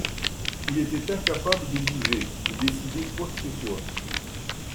Il était incapable de bouger, de décider quoi que ce soit.